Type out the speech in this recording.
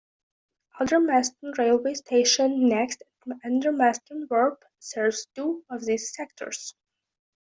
Aldermaston railway station next at Aldermaston Wharf serves two of these sectors.